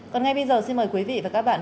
còn ngay bây giờ xin mời quý vị và các bạn